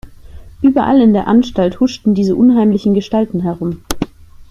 Überall in der Anstalt huschen diese unheimlichen Gestalten herum.